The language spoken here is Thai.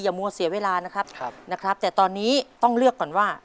มัวเสียเวลานะครับนะครับแต่ตอนนี้ต้องเลือกก่อนว่า